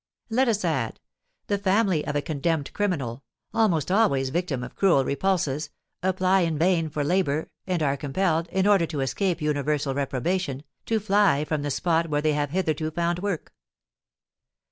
Let us add: The family of a condemned criminal, almost always victims of cruel repulses, apply in vain for labour, and are compelled, in order to escape universal reprobation, to fly from the spot where they have hitherto found work.